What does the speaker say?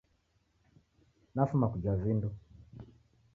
Nafuma kuja vindo